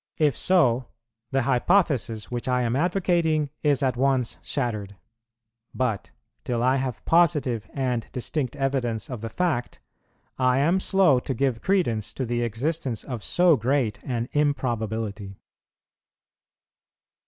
If so, the hypothesis which I am advocating is at once shattered; but, till I have positive and distinct evidence of the fact, I am slow to give credence to the existence of so great an improbability.